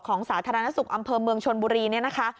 สาธารณสุขอำเภอเมืองชนบุรีเนี่ยนะคะ